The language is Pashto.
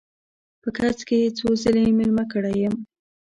په کڅ کې یې څو ځله میلمه کړی یم.